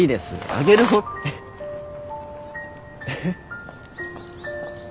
えっ？